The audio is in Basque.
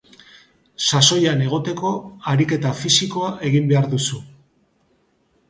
Sasoian egoteko, ariketa fisikoa egin behar duzu